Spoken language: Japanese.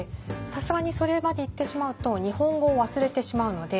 さすがにそれまでいってしまうと日本語を忘れてしまうので。